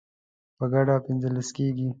په ګډه پنځلس کیږي